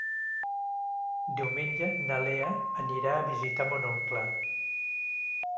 Diumenge na Lea anirà a visitar mon oncle.